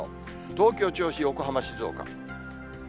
東京、銚子、横浜、静岡。